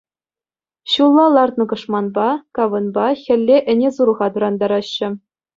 Ҫулла лартнӑ кӑшманпа, кавӑнпа хӗлле ӗне-сурӑха тӑрантараҫҫӗ.